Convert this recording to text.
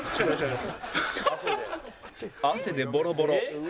汗でボロボロ